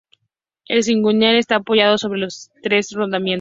El cigüeñal estaba apoyado sobre tres rodamientos.